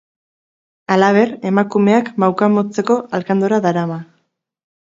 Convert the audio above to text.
Halaber, emakumeak mauka motzeko alkandora darama.